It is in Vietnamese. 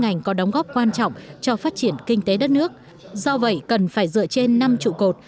ngành có đóng góp quan trọng cho phát triển kinh tế đất nước do vậy cần phải dựa trên năm trụ cột